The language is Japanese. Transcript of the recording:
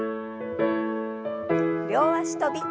両脚跳び。